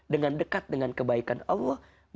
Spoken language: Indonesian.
dengan dekat dengan kebaikan allah yang baik